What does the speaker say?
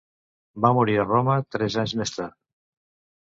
Va morir a Roma tres anys més tard.